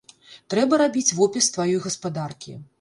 Трэба рабіць вопіс тваёй гаспадаркі.